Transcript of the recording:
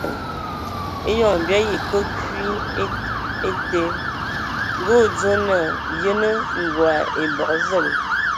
Eyon bii ayi ke kwi a ete, ngə o dzo naa :Yənə, ngɔg e bəgə zəl !